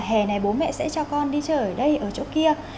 hè này bố mẹ sẽ cho con đi chơi ở đây ở chỗ kia